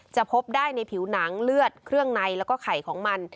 พบได้ในผิวหนังเลือดเครื่องในแล้วก็ไข่ของมัน